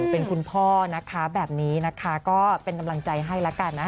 เป็นคุณพ่อนะคะแบบนี้นะคะก็เป็นกำลังใจให้ละกันนะ